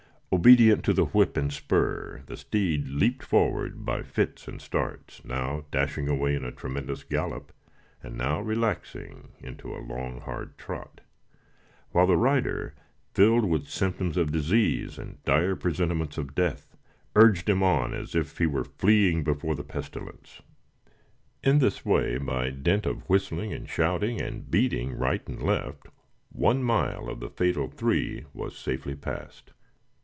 Obedient to the whip and spur, the steed leaped forward by fits and starts, now dashing away in a tremendous gallop, and now relaxing into a long, hard trot; while the rider, filled with symptoms of disease and dire presentiments of death, urged him on, as if he were fleeing before the pestilence. In this way, by dint of whistling and shouting, and beating right and left, one mile of the fatal three was safely passed.